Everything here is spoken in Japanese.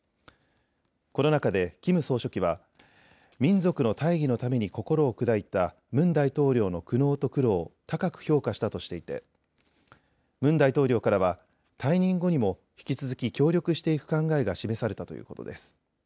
この中でキム総書記は民族の大義のために心を砕いたムン大統領の苦悩と苦労を高く評価したとしていてムン大統領からは退任後にも引き続き協力していく考えが示されたということです。